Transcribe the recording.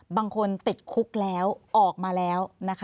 บางคนติดคุกแล้วออกมาแล้วนะคะ